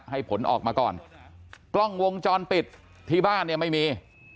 ให้ผลออกมาก่อนกล้องวงจรปิดที่บ้านเนี่ยไม่มี